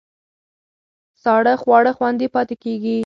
ساړه خواړه خوندي پاتې کېږي.